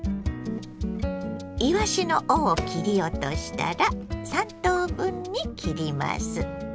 いわしの尾を切り落としたら３等分に切ります。